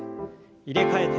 入れ替えて。